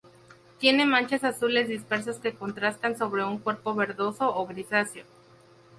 Tiene manchas azules dispersas que contrastan sobre un cuerpo verdoso o grisáceo.